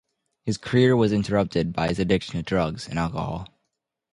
His career was interrupted by his addiction to drugs and alcohol.